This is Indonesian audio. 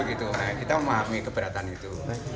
kita memahami keberatan itu